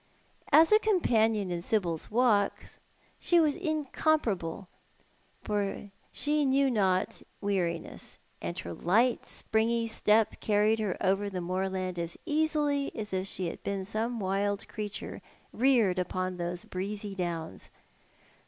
As a companion in Sibyl's walks she was incomparable, for she knew not weariness, and her light, springy step carried her over the moorland as easily as if she had been some wild creature reared upon those breezy downs.